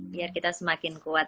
biar kita semakin kuat